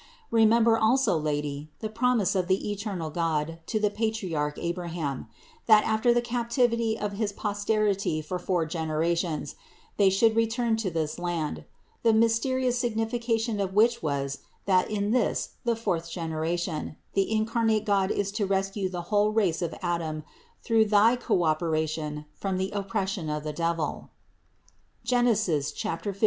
Re member also, Lady, the promise of the eternal God to the Patriarch Abraham, that, after the captivity of his posterity for four generations, they should return to this land; the mysterious signification of which was, that in this, the fourth generation,* the incarnate God is to rescue the whole race of Adam through thy co operation from the oppression of the devil (Gen. 15, 16).